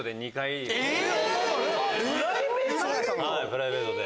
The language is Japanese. プライベートで？